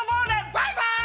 バイバイ！